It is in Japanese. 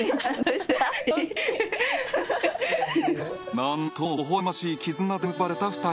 なんともほほ笑ましい絆で結ばれた２人。